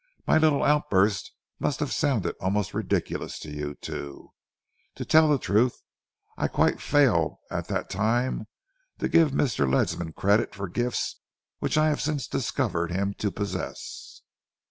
My little outburst must have sounded almost ridiculous to you two. To tell you the truth, I quite failed at that time to give Mr. Ledsam credit for gifts which I have since discovered him to possess."